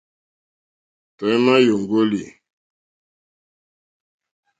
Tɔ̀ímá !yóŋɡólì.